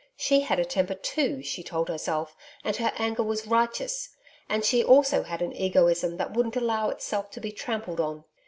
She had a temper too she told herself, and her anger was righteous. And she also had an egoism that wouldn't allow itself to be trampled on.